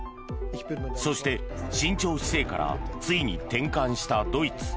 そして、慎重姿勢からついに転換したドイツ。